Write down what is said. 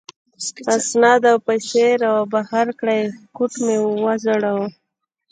اسناد او پیسې را وبهر کړې، کوټ مې و ځړاوه.